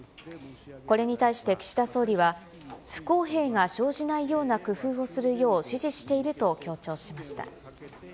これに対して岸田総理は、不公平が生じないような工夫をするよう指示していると強調しました。